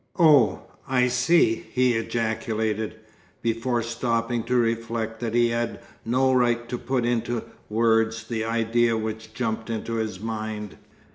"Oh, I see!" he ejaculated, before stopping to reflect that he had no right to put into words the idea which jumped into his mind.